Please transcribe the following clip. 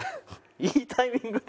いいタイミングで。